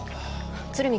鶴見